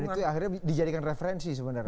dan itu akhirnya dijadikan referensi sebenarnya